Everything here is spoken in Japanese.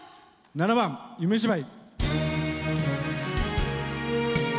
７番「夢芝居」。